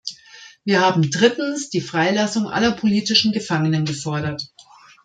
Wir haben drittens die Freilassung aller politischen Gefangenen gefordert.